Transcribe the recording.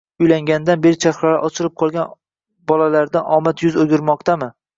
Uylanganidan beri chehralari ochilib qolgan bolalaridan omad yuz o'girmoqdami?